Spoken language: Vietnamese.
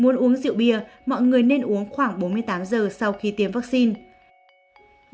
nếu muốn uống rượu bia mọi người nên uống khoảng bốn mươi tám giờ sau khi tiêm vaccine